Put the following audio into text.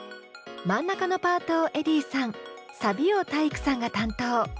真ん中のパートをｅｄｈｉｉｉさんサビを体育さんが担当。